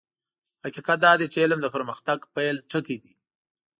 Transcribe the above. حقيقت دا دی چې علم د پرمختګ پيل ټکی دی.